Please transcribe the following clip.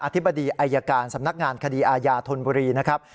ธิบดีอายการสำนักงานคดีอาญาธนบุรีนะครับ